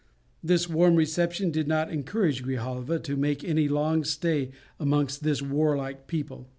This warm reception did not encourage Grijalva to make any long stay amongst this warlike people.